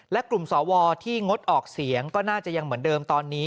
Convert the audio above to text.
และกลุ่มสวที่งดออกเสียงก็น่าจะยังเหมือนเดิมตอนนี้